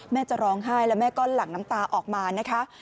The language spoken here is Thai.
จะร้องไห้แล้วแม่ก็หลั่งน้ำตาออกมานะคะ